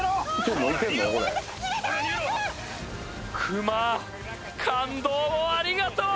クマ感動をありがとう！